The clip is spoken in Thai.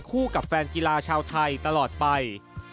กับแฟนกีฬาชาวไทยตลอดไป